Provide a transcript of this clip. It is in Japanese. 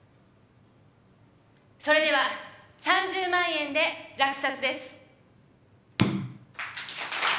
それでは３０万円で落札です。